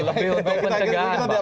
lebih untuk pencegahan pak